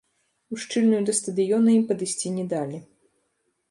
Ушчыльную да стадыёна ім падысці не далі.